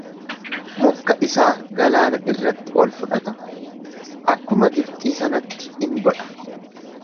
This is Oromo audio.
Mukka isaa galaana irratti ol fudhata, akkuma Gibxii sanatti in godha.